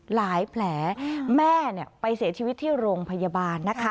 หลายแผลแม่เนี่ยไปเสียชีวิตที่โรงพยาบาลนะคะ